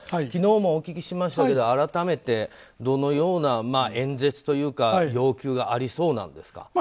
昨日もお聞きしましたけど改めてどのような演説というか要求がありそうなんですか？